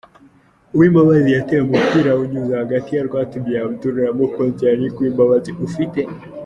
Uwimbabazi yateye umupira awunyuza hagati ya Rwatubyaye Abdul na Mukunzi YannickUwimbabazi ufite